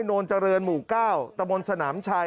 โนร์เจริญหมู่เก้าตะมนต์สนามชาย